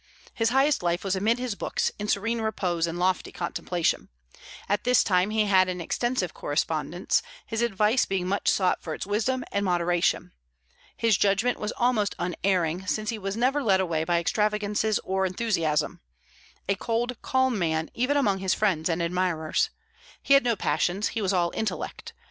His highest life was amid his books, in serene repose and lofty contemplation. At this time he had an extensive correspondence, his advice being much sought for its wisdom and moderation. His judgment was almost unerring, since he was never led away by extravagances or enthusiasm: a cold, calm man even among his friends and admirers. He had no passions; he was all intellect.